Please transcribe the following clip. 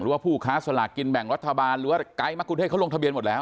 ว่าผู้ค้าสลากกินแบ่งรัฐบาลหรือว่าไกด์มะกุเทศเขาลงทะเบียนหมดแล้ว